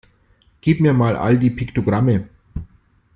Gib mir mal all die Piktogramme!